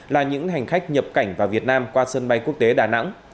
là những hành khách nhập cảnh vào việt nam qua sân bay quốc tế đà nẵng